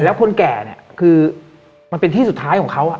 แล้วคนแก่เนี่ยคือมันเป็นที่สุดท้ายของเขา